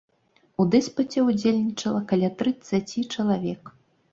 У дыспуце ўдзельнічала каля трыццаці чалавек.